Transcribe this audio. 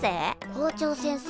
校長先生